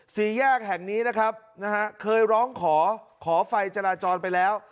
สี่แยกแห่งนี้นะครับนะฮะเคยร้องขอขอไฟจราจรไปแล้ว